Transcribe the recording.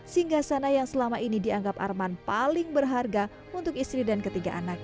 singgah sana yang selama ini dianggap arman paling berharga untuk istri dan ketiga anak